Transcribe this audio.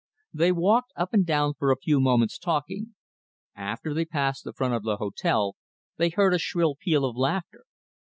They walked up and down for a few moments talking. As they passed the front of the hotel, they heard a shrill peal of laughter.